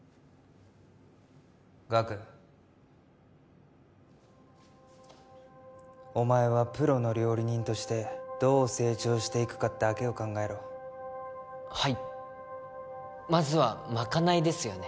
岳お前はプロの料理人としてどう成長していくかだけを考えろはいまずはまかないですよね